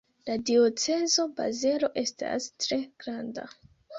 La diocezo Bazelo estas tre granda.